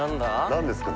何ですか？